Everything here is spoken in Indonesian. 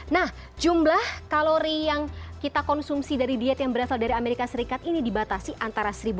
nah jumlah kalori yang kita konsumsi dari diet yang berasal dari amerika serikat ini dibatasi antara satu